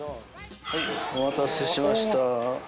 はいお待たせしました。